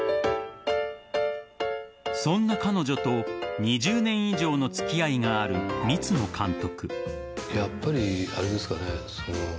そんな彼女と２０年以上の付き合いがある光野監督。